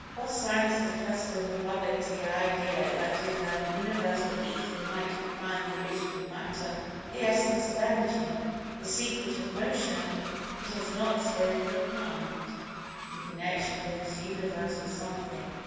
While Science has accustomed the public to the idea that in the Universal Ether might be found the origin of Matter—the essence of Energy—the secret of Motion—it has not spoken of "Mind," in connection with this Universal Something.